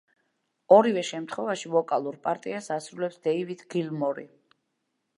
ორივე შემთხვევაში, ვოკალურ პარტიას ასრულებს დეივიდ გილმორი.